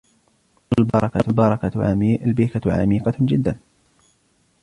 البركة عميقة جدًّا.